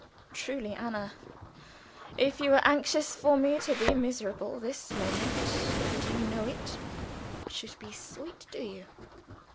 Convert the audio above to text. Truly, Anna! if you were anxious for me to be miserable, this moment, could you know it, should be sweet to you!